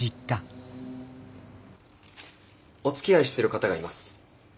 おつきあいしている方がいます。